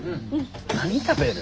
何食べる？